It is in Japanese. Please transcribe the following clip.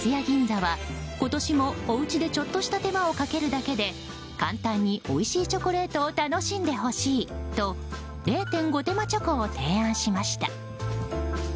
銀座は今年もおうちでちょっとした手間をかけるだけで簡単においしいチョコレートを楽しんでほしいと０．５手間チョコを提案しました。